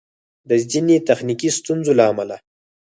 د ځیني تخنیکي ستونزو له امله